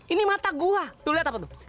ini mata gua tuh liat apa tuh